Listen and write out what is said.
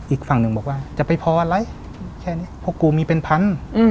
อีกฝั่งหนึ่งบอกว่าจะไปพออะไรพวกกูมีเป็นพรรณ